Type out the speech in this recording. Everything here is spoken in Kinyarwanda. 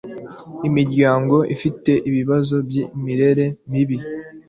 imiryango ifite ibibazo by'imirire mibi